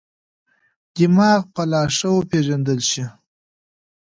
دماغ به لا ښه وپېژندل شي.